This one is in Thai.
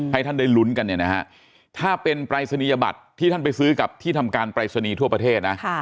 ให้ท่านได้ลุ้นกันเนี่ยนะฮะถ้าเป็นปรายศนียบัตรที่ท่านไปซื้อกับที่ทำการปรายศนีย์ทั่วประเทศนะ